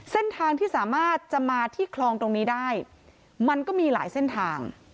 เส้นทางที่สามารถจะมาที่คลองตรงนี้ได้มันก็มีหลายเส้นทาง